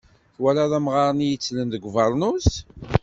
Twalaḍ amɣar-nni yettlen deg ubernus?